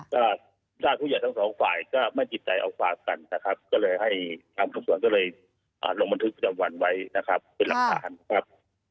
ก็ญาติผู้ใหญ่ทั้งสองฝ่ายก็ไม่ติดใจเอาความกันนะครับก็เลยให้ทางสับส่วนก็เลยลงบันทึกประจำวันไว้นะครับเป็นหลักฐานครับ